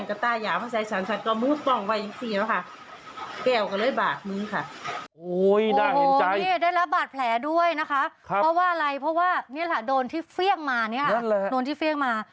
นั่นแหละครับโดนที่เฟ่งมา